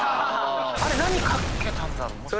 あれ何かけたんだろう？